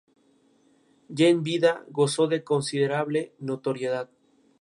Ya en vida gozó de considerable notoriedad.